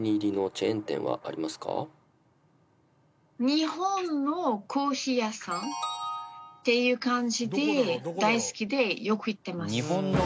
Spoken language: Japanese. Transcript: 日本のコーヒー屋さんっていう感じで大好きでよく行ってます。